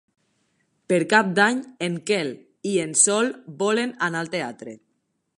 Per Cap d'Any en Quel i en Sol volen anar al teatre.